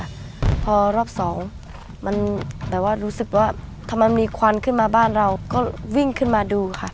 พอรอบสองมันแบบว่ารู้สึกว่าทำไมมีควันขึ้นมาบ้านเราก็วิ่งขึ้นมาดูค่ะ